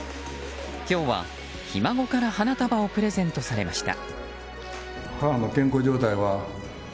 今日は、ひ孫から花束をプレゼントされました。